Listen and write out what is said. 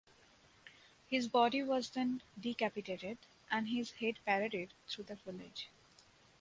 His body was then decapitated and his head paraded through the village.